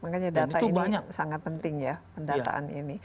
makanya data ini sangat penting ya pendataan ini